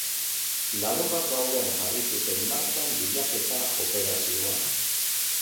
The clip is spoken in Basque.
Larunbat gauean jarri zuten martxan bilaketa operazioa.